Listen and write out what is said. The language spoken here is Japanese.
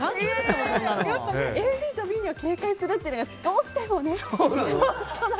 ＡＢとＢには警戒するっていうのがどうしても。